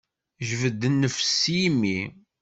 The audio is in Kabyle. Jbed nnefs s yimi.